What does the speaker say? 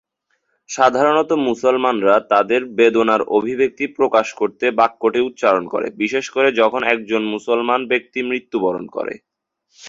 সাধারণত মুসলমানরা তাদের বেদনার অভিব্যক্তি প্রকাশ করতে বাক্যটি উচ্চারণ করে, বিশেষ করে যখন একজন মুসলমান ব্যক্তি মৃত্যুবরণ করে।